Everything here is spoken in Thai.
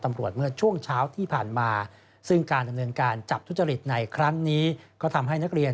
ตำรวจเมื่อช่วงเช้าที่ผ่านมาซึ่งการเงินการจับทุจริตในครั้งนี้ก็ทำให้